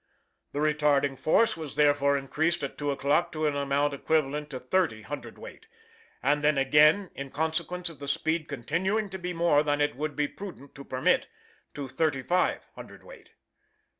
The retarding force was therefore increased at two o'clock to an amount equivalent to 30 cwt., and then again in consequence of the speed continuing to be more than it would be prudent to permit to 35 cwt.